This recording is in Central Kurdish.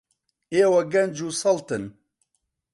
ئێوە گەنج و سەڵتن.